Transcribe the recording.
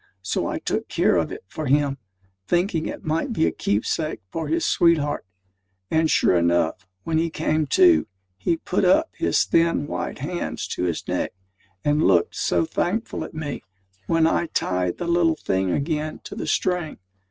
So I took care of it for him, thinking it might be a keepsake from his sweetheart. And sure enough, when he came to, he put up his thin white hands to his neck, and looked so thankful at me when I tied the little thing again to the string!